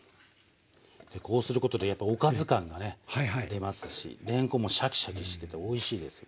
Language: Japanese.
でこうすることでやっぱおかず感がね出ますしれんこんもシャキシャキしてておいしいですよ。